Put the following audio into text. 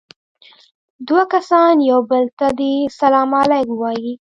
دوه کسان يو بل ته دې سلام عليکم ووايي.